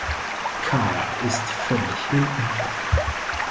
Karla ist völlig hin und weg.